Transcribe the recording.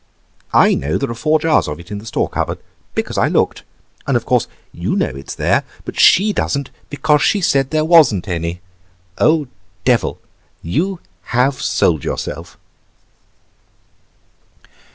I know there are four jars of it in the store cupboard, because I looked, and of course you know it's there, but she doesn't, because she said there wasn't any. Oh, Devil, you have sold yourself!"